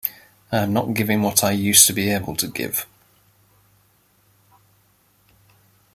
I am not giving what I used to be able to give.